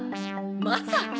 まさか！